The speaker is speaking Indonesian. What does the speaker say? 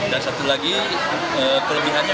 dan satu lagi kelebihannya